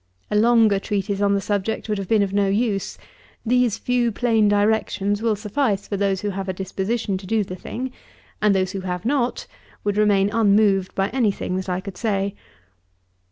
A longer treatise on the subject would have been of no use. These few plain directions will suffice for those who have a disposition to do the thing, and those who have not would remain unmoved by any thing that I could say.